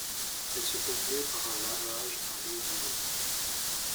Elle se concluait par un lavage à l'eau bouillante.